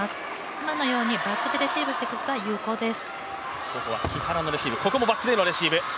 今のようにバックでレシーブしてくれたら有効です。